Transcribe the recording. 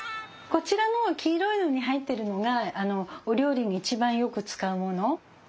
こちらの黄色いのに入ってるのがお料理に一番よく使うもの